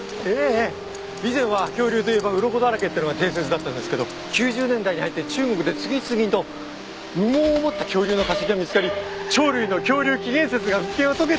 以前は恐竜といえばうろこだらけってのが定説だったんですけど９０年代に入って中国で次々と羽毛を持った恐竜の化石が見つかり鳥類の恐竜起源説が復権を遂げたんですよ。